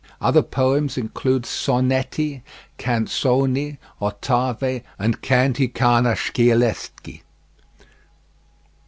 Other poems include Sonetti, Canzoni, Ottave, and Canti carnascialeschi.